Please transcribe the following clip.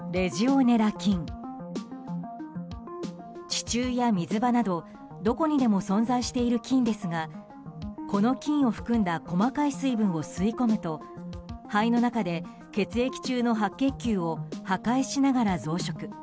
地中や水場などどこにでも存在している菌ですがこの菌を含んだ細かい水分を吸い込むと肺の中で血液中の白血球を破壊しながら増殖。